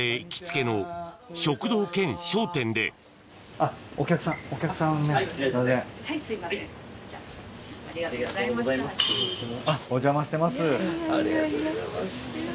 ありがとうございます。